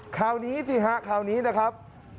คราวนี้สิฮะคราวนี้นะครับ